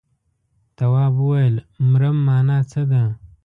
تواب وويل: مرم مانا څه ده.